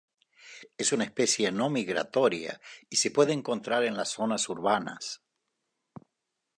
Es una especie no migratoria y se puede encontrar en las zonas urbanas.